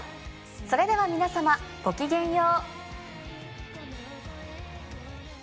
それでは皆さまごきげんよう。